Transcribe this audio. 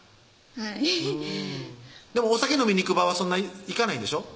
はいでもお酒飲みに行く場はそんな行かないんでしょ？